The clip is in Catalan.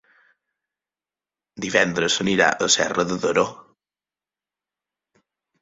Divendres anirà a Serra de Daró.